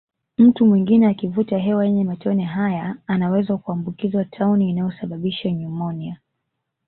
Mtu mwingine akivuta hewa yenye matone haya anaweza kuambukizwa tauni inayosababisha nyumonia